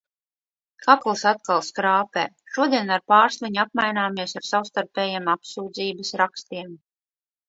Kakls atkal skrāpē. Šodien ar Pārsliņu apmaināmies ar savstarpējiem apsūdzības rakstiem.